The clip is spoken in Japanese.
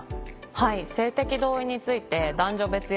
はい。